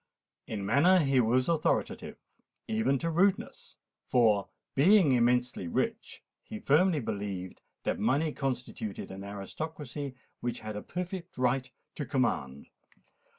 In manner he was authoritative, even to rudeness: for, being immensely rich, he firmly believed that money constituted an aristocracy which had a perfect right to command.